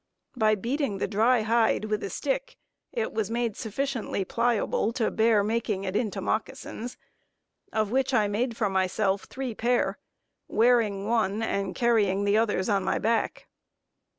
By beating the dry hide with a stick it was made sufficiently pliable to bear making it into moccasins; of which I made for myself three pair, wearing one, and carrying the others on my back.